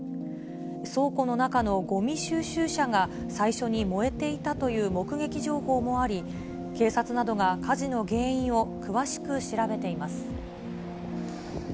倉庫の中のごみ収集車が最初に燃えていたという目撃情報もあり、警察などが火事の原因を詳しく調べています。